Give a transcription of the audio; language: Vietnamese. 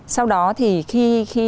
sau đó thì khi